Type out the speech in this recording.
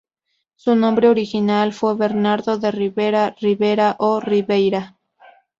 Su nombre original fue Bernardo de Rivera, Ribera o Ribeira.